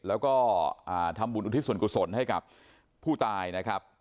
แล้วก็ทำบุญอุทิศส่วนกุศลให้กับผู้ตายนะครับ